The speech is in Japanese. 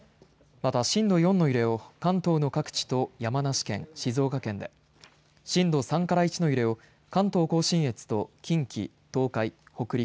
また震度４の揺れを関東の各地と山梨県、静岡県で震度３から１の揺れを関東甲信越と近畿、東海、北陸